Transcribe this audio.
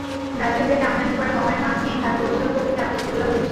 Brazil থেকে আমদানি করা গমের মান নিয়ে খাদ্য অধিদপ্তর থেকে আপত্তি তোলা হয়েছিল।